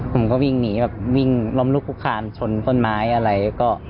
ผมก็วิ่งหนีวิ่งล้อมลูกคุกคลานชนส้นไม้อะไร